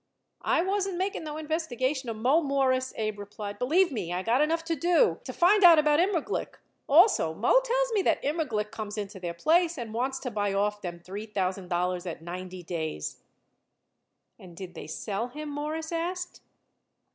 "I wasn't making no investigation of Moe, Mawruss," Abe replied. "Believe me, I got enough to do to find out about Immerglick. Also, Moe tells me that Immerglick comes into their place and wants to buy off them three thousand dollars at ninety days." "And did they sell him?" Morris asked.